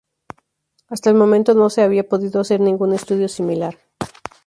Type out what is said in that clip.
Hasta el momento no se había podido hacer ningún estudio similar.